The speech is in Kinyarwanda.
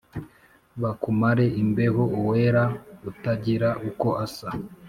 Bakumare imbeho Uwera utagira uko asa